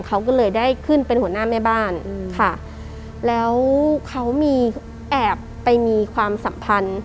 เขาก็เลยได้ขึ้นเป็นหัวหน้าแม่บ้านค่ะแล้วเขามีแอบไปมีความสัมพันธ์